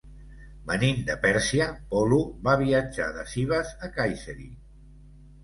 Venint de Pèrsia, Polo va viatjar de Sivas a Kayseri.